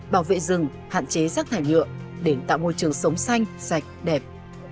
bảo vệ rừng hạn chế rác thải nhựa để tạo môi trường sống xanh sạch đẹp